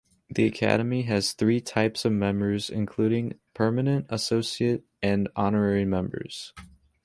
The Academy has three types of members including permanent, associate and honorary members.